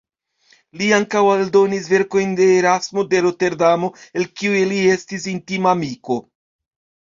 Li ankaŭ eldonis verkojn de Erasmo de Roterdamo, el kiu li estis intima amiko.